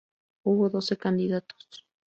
Hubo doce candidatos.